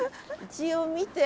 一応見て。